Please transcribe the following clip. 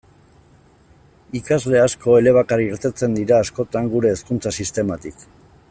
Ikasle asko elebakar irteten dira askotan gure hezkuntza sistematik.